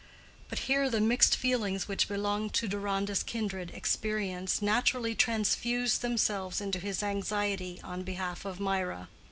But here the mixed feelings which belonged to Deronda's kindred experience naturally transfused themselves into his anxiety on behalf of Mirah.